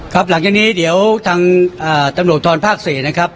หลังจากนี้เดี๋ยวทางตำรวจทรภาค๔นะครับ